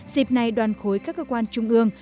dịp này đoàn khối các cơ quan trung ương